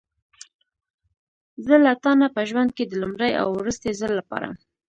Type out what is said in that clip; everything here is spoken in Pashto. زه له تا نه په ژوند کې د لومړي او وروستي ځل لپاره.